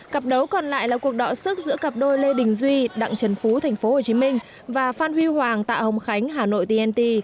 cặp đấu còn lại là cuộc đọa sức giữa cặp đôi lê đình duy đặng trần phú tp hcm và phan huy hoàng tạ hồng khánh hà nội tnt